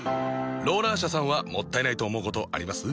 ローラー車さんはもったいないと思うことあります？